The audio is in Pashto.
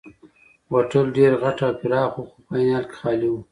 هوټل ډېر غټ او پراخه وو خو په عین حال کې خالي وو.